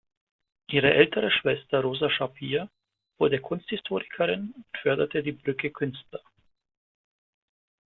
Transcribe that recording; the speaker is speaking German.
Ihre ältere Schwester Rosa Schapire wurde Kunsthistorikerin und förderte die Brücke-Künstler.